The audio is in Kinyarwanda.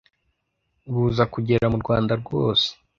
buza kugera mu Rwanda rwose,